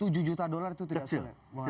tujuh juta dolar itu tidak sulit